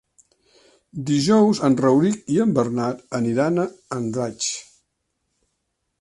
Dijous en Rauric i en Bernat aniran a Andratx.